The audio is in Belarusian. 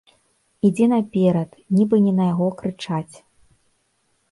Ідзе наперад, нібы не на яго крычаць.